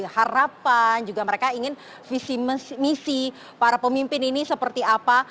harapan juga mereka ingin visi misi para pemimpin ini seperti apa